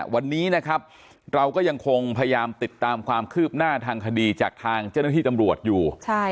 วันนี้นะครับเราก็ยังคงพยายามติดตามความคืบหน้าทางคดีจากทางเจ้าหน้าที่ตำรวจอยู่